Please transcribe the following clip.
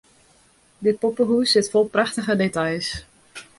Dit poppehûs sit fol prachtige details.